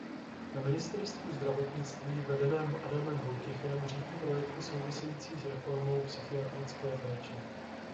Na ministerstvu zdravotnictví vedeném Adamem Vojtěchem řídí projekty související s reformou psychiatrické péče.